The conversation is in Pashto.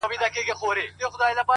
چي لا اوسي دلته قوم د جاهلانو -